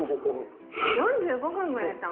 ４５分も焼いたん